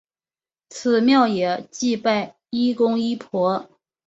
此庙也祭拜医公医婆。